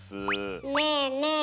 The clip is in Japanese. ねえねえ